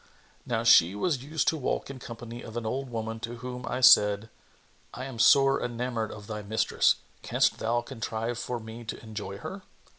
Now she was used to walk in company of an old woman to whom I said, "I am sore enamoured of thy mistress. Canst thou contrive for me to enjoy her?"